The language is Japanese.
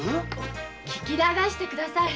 聞き流してください。